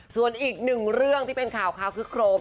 ส่วนอีกหนึ่งเรื่องที่เป็นข่าวคึกโครม